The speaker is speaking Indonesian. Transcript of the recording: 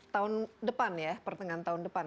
tahun depan ya pertengahan tahun depan